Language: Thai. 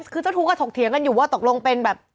คือเจ้าทุกข์ก็ถกเถียงกันอยู่ว่าตกลงเป็นแบบ